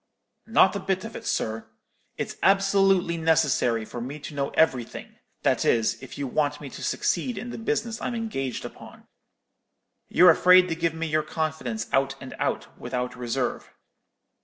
"'Not a bit of it, sir. It's absolutely necessary for me to know everything: that is, if you want me to succeed in the business I'm engaged upon. You're afraid to give me your confidence out and out, without reserve.